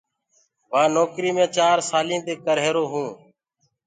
وآ نوڪريٚ مي چار سالينٚ دي ڪر رهيرو هونٚ۔